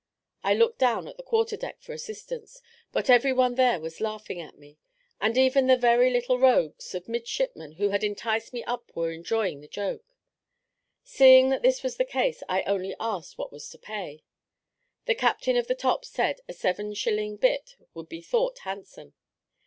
I looked down to the quarter deck for assistance, but every one there was laughing at me; and even the very little rogues of midshipmen who had enticed me up were enjoying the joke. Seeing this was the case, I only asked what was to pay. The captain of the top said a seven shilling bit would be thought handsome.